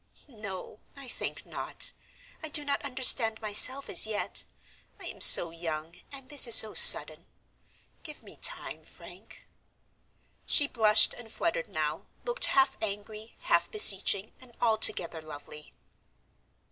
"No, I think not. I do not understand myself as yet, I am so young, and this so sudden. Give me time, Frank." She blushed and fluttered now, looked half angry, half beseeching, and altogether lovely.